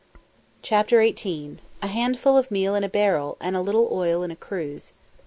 CHAPTER XVIII "A handful of meal in a barrel, and a little oil in a cruse."